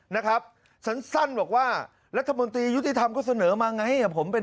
นะครับสั้นบอกว่ารัฐมนตรียุติธรรมก็เสนอมาไงผมเป็น